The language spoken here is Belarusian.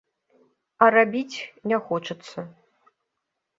А рабіць не хочацца.